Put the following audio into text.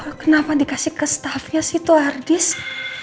aduh kenapa dikasih ke stafnya sih itu hard disk